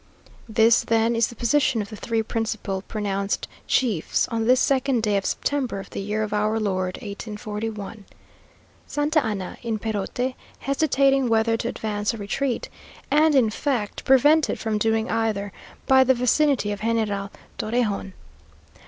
This, then, is the position of the three principal pronounced chiefs, on this second day of September of the year of our Lord 1841. Santa Anna in Perote, hesitating whether to advance or retreat, and, in fact, prevented from doing either by the vicinity of General Torrejon.